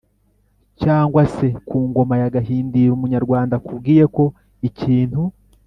cyangwa se ku ngoma ya Gahindiro Umunyarwanda akubwiye ko ikintu